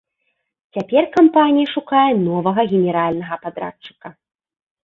Цяпер кампанія шукае новага генеральнага падрадчыка.